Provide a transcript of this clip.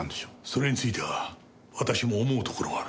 それについては私も思うところがある。